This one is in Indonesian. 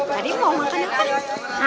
tadi mau makan apa